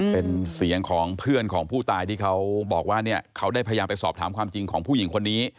เป็นเสียงของเพื่อนของผู้ตายที่เขาบอกว่าเนี่ยเขาได้พยายามไปสอบถามความจริงของผู้หญิงคนนี้